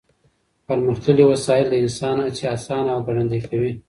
پرمختللې وسایل د انسان هڅې اسانه او ګړندۍ کوي.